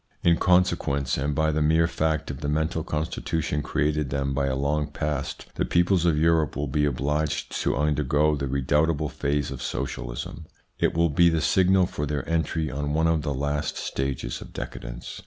In consequence and by the mere fact of the mental constitution created them by a long past, the peoples of Europe will be obliged to undergo the redoubtable phase of Socialism. It will be the signal for their entry on one of the last stages of decadence.